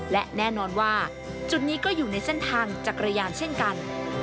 และแน่นอนว่าจุดนี้ก็อยู่ในเส้นทางจักรยานเช่นกัน